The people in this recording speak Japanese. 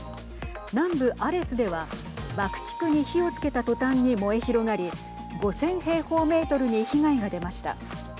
南部アレスでは爆竹に火をつけたとたんに燃え広がり５０００平方メートルに被害が出ました。